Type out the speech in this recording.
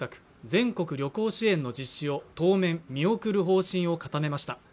全国旅行支援の実施を当面見送る方針を固めました